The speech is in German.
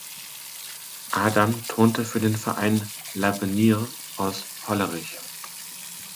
Adam turnte für den Verein "L’Avenir" aus Hollerich.